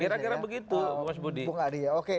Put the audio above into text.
kira kira begitu mas budi